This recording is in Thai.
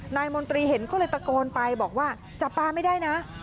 มนตรีเห็นก็เลยตะโกนไปบอกว่าจับปลาไม่ได้นะ